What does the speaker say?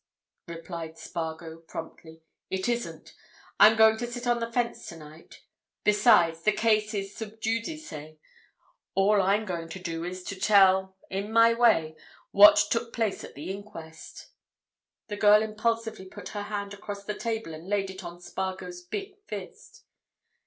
replied Spargo, promptly. "It isn't. I'm going to sit on the fence tonight. Besides, the case is sub judice. All I'm going to do is to tell, in my way, what took place at the inquest." The girl impulsively put her hand across the table and laid it on Spargo's big fist.